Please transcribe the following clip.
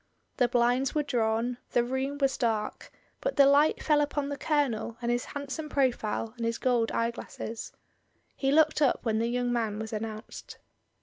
The blinds were drawn, the room was dark, but the light fell upon the Colonel and his handsome profile and his gold eyeglasses. He looked up when the young man was announced.